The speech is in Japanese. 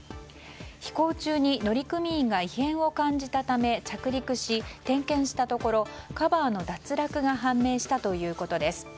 飛行中に乗組員が異変を感じたため着陸し点検したところ、カバーの脱落が判明したということです。